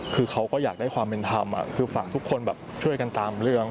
คือเขาก็อยากได้ความเป็นธรรมคือฝากทุกคนแบบช่วยกันตามเรื่อง